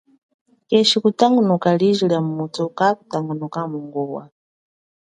Keshi kutangunuka liji lia muthu, mba kakutangunuka mungowa.